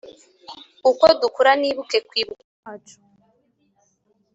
uko dukura, nibuke kwibuka kwacu.